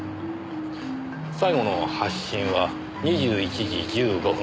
最後の発信は２１時１５分。